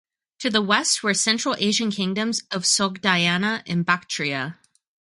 To the west were Central Asian kingdoms of Sogdiana and Bactria.